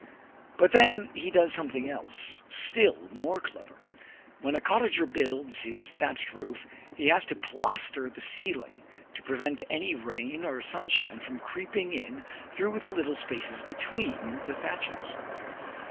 But then he does something else, still more clever! When a cottager builds his thatched roof, he has to plaster the ceiling to prevent any rain or sunshine from creeping in through the little spaces between the thatches.